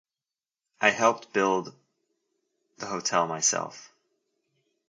I helped build the hotel myself.